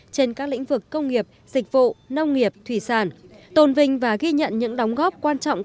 trên các lĩnh vực công nghiệp dịch vụ nông nghiệp thủy sản tồn vinh và ghi nhận những đóng góp quan trọng